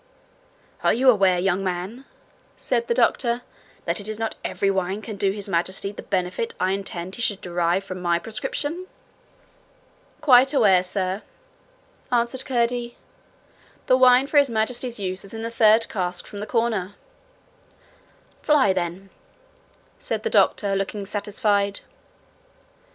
'Are you aware, young man,' said the doctor, 'that it is not every wine can do His Majesty the benefit I intend he should derive from my prescription?' 'Quite aware, sir, answered Curdie. 'The wine for His Majesty's use is in the third cask from the corner.' 'Fly, then,' said the doctor, looking satisfied.